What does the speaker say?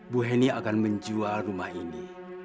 bu heni akan menjual rumah ini